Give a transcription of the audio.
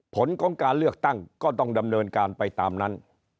ผลของการเลือกตั้งก็ต้องดำเนินการไปตามนั้น